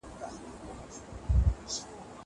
خوشال بابا رح